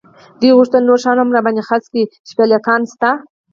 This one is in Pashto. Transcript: دې غوښتل نور شیان هم را باندې خرڅ کړي، شپلېکان هم شته.